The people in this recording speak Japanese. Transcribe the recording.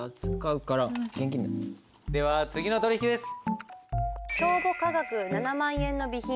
では次の取引です。